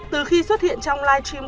từ khi xuất hiện trong live stream